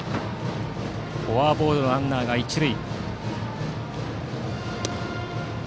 フォアボールのランナーが一塁。